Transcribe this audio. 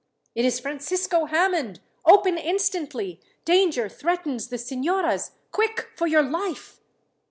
"It is Francisco Hammond. Open instantly. Danger threatens the signoras. Quick, for your life!"